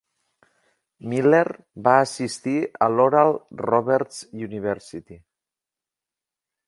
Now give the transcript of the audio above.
Miller va assistir a l'Oral Roberts University.